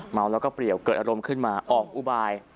เมาแล้วก็เปรียวเกิดอารมณ์ขึ้นมาออกอุบาย